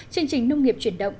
chương trình nông nghiệp chuyển động